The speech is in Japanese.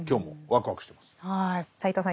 斎藤さん